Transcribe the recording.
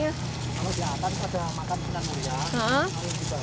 kalau di atas ada makan senang senang